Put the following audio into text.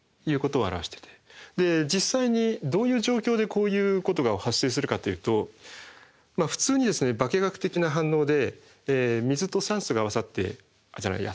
実際にどういう状況でこういうことが発生するかというと普通に化学的な反応で水と酸素が合わさってじゃないや。